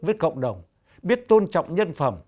với cộng đồng biết tôn trọng nhân phẩm